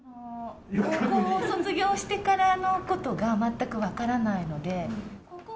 高校を卒業してからのことが全く分からないので。